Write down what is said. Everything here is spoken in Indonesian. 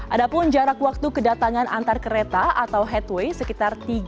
ada pun jarak waktu kedatangan antar kereta atau headway sekitar tiga sampai empat menit